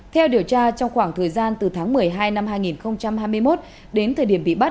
theo điều tra trong khoảng thời gian từ tháng một mươi hai năm hai nghìn hai mươi một đến thời điểm bị bắt